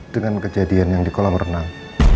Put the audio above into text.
dengan kejadian yang di kolam renang